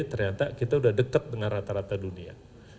ternyata kita sudah dekat dengan rata rata dunia